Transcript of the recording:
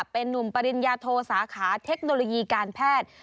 เป็นนุ่มปริญญาโทสาขาเทคโนโลยีการแพทย์